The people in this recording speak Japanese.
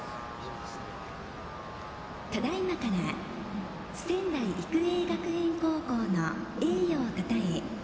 ただいまから仙台育英学園高校の栄誉をたたえ